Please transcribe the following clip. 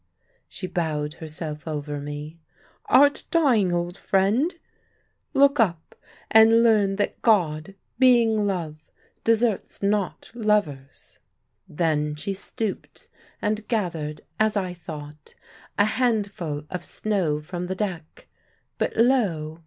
She bowed herself over me. "Art dying, old friend? Look up and learn that God, being Love, deserts not lovers." Then she stooped and gathered, as I thought, a handful of snow from the deck; but lo!